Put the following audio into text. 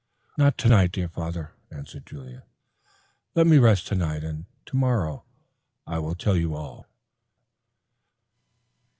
"Not tonight, dear father," answered Julia. "Let me rest tonight and tomorrow I will tell you all."